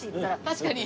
確かに。